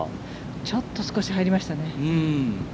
ちょっと少し入りましたね。